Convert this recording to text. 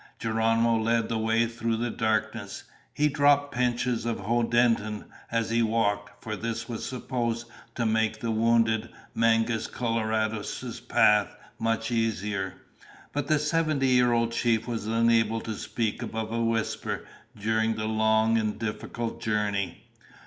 Geronimo led the way through the darkness. He dropped pinches of hoddentin as he walked, for this was supposed to make the wounded Mangus Coloradus' path much easier. But the seventy year old chief was unable to speak above a whisper during the long and difficult journey.